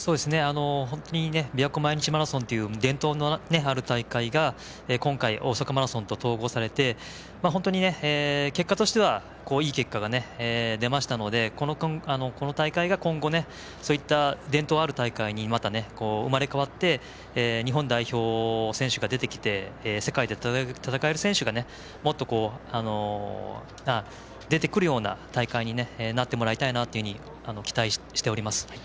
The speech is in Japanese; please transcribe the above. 本当にびわ湖毎日マラソンという伝統のある大会が今回、大阪マラソンと統合されて本当に結果としてはいい結果が出ましたのでこの大会が今後、そういった伝統ある大会にまた、生まれ変わって日本代表選手が出てきて世界で戦える選手がもっと出てくるような大会になってもらいたいなと期待しております。